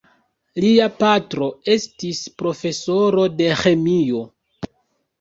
Lia patro estis profesoro de ĥemio.